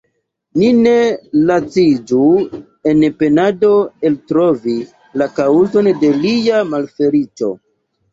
Ni ne laciĝu en penado eltrovi la kaŭzon de lia malfeliĉo.